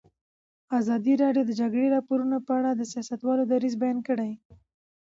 ازادي راډیو د د جګړې راپورونه په اړه د سیاستوالو دریځ بیان کړی.